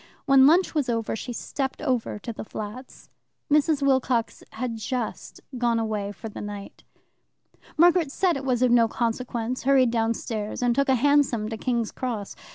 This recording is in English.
When lunch was over she stepped over to the flats. Mrs. Wilcox had just gone away for the night. Margaret said that it was of no consequence, hurried downstairs, and took a hansom to King's Cross.